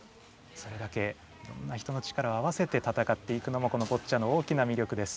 それだけいろんな人の力を合わせてたたかっていくのもこのボッチャの大きなみりょくです。